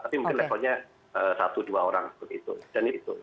tapi mungkin levelnya satu dua orang seperti itu